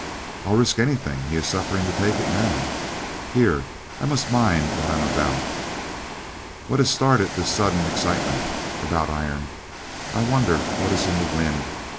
I'll risk anything he is suffering to take it now; here I must mind what I'm about. What has started this sudden excitement about iron? I wonder what is in the wind?